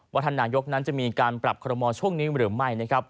ท่านนายกนั้นจะมีการปรับคอรมอลช่วงนี้หรือไม่